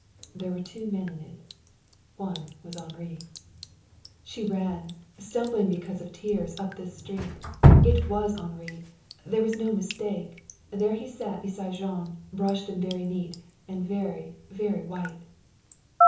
There were two men in it. One was Henri. She ran, stumbling because of tears, up the street. It was Henri! There was no mistake. There he sat beside Jean, brushed and very neat; and very, very white.